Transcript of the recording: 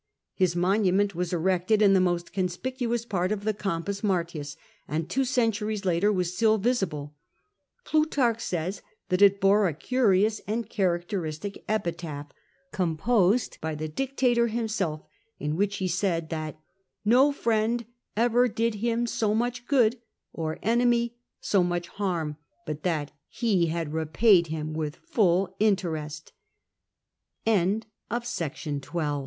His monument was erected in the most conspicuous part of the Campus Martins, and two centuries later was still visible. Plutarch says that it bore a curious and char acteristic epitaph, composed by the dictator himself, in which he said that ''Ho friend ever did him so much good, or enemy so much harm, but that he had repaid him with full interest.